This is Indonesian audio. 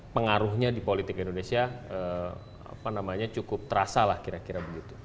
pengaruhnya di politik indonesia cukup terasa lah ya